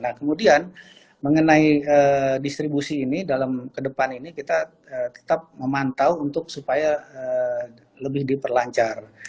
nah kemudian mengenai distribusi ini dalam ke depan ini kita tetap memantau untuk supaya lebih diperlancar